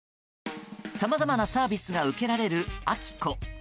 さまざまなサービスが受けられるアキコ。